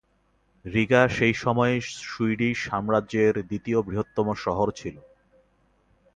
Riga সেই সময়ে Swedish সাম্রাজ্যের দ্বিতীয় বৃহত্তম শহর ছিল।